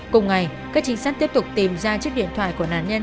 cùng ngày các chính sách tiếp tục tìm ra chiếc điện thoại của nạn nhân